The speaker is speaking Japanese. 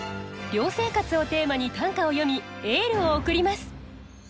「寮生活」をテーマに短歌を詠みエールを送ります。